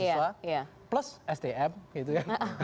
ya yang disuarakan mahasiswa plus sdm gitu ya